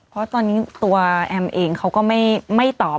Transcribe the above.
เพราะตอนนี้ตัวแอมเองเขาก็ไม่ตอบ